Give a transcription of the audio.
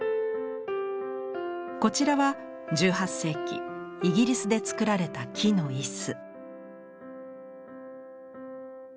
こちらは１８世紀イギリスで作られた木の椅子。